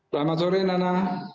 selamat sore nana